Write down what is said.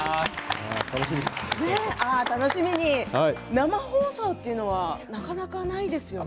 生放送というのはなかなかないですよね。